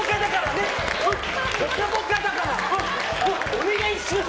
お願いします！